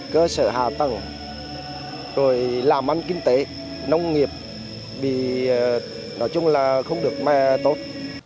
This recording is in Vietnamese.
cơ sở hạ tầng làm ăn kinh tế nông nghiệp nói chung là không được tốt